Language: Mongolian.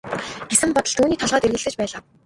гэсэн бодол түүний толгойд эргэлдэж байлаа.